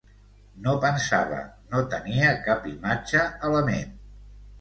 No pensava, no tenia cap imatge a la ment.